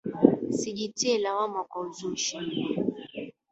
Sijitie lawama kwa uzushi.